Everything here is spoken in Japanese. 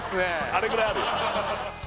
あれぐらいあるよ